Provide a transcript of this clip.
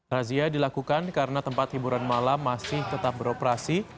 razia dilakukan karena tempat hiburan malam masih tetap beroperasi